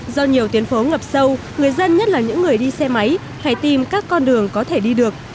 do nhiều tuyến phố ngập sâu người dân nhất là những người đi xe máy phải tìm các con đường có thể đi được